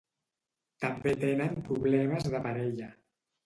També tenen problemes de parella.